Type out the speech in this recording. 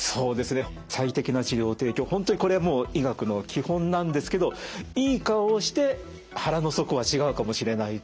本当にこれは医学の基本なんですけどいい顔をして腹の底は違うかもしれないと。